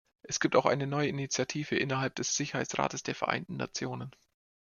Es gibt auch eine neue Initiative innerhalb des Sicherheitsrates der Vereinten Nationen.